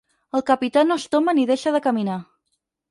El capità no es tomba ni deixa de caminar.